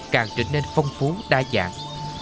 càng trở nên phong phú đa dạng